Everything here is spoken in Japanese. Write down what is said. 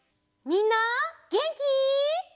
みんなげんき？